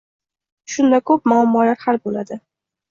Shunda ko‘p muammolar hal bo‘ladi.